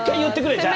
じゃあ。